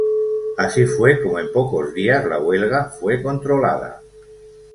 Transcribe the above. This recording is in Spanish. Así fue como en pocos días la huelga fue controlada.